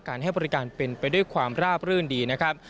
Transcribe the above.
ให้บริการเป็นไปด้วยความราบรื่นดีนะครับ